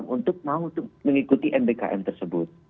untuk mengikuti mbkm tersebut